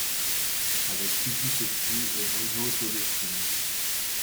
Avec Sylvie Testud et Bruno Todeschini.